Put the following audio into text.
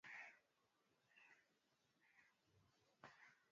Mambo mema niegheshea, maovu nisitamani.